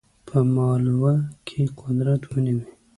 په مالوه کې قدرت ونیوی.